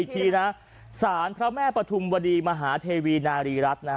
อีกทีนะสารพระแม่ปฐุมวดีมหาเทวีนารีรัฐ